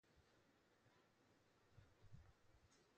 Each overseas department is also an overseas region.